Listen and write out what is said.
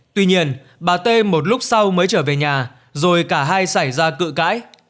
tuy nhiên bà t một lúc sau mới trở về nhà rồi cả hai xảy ra cự cãi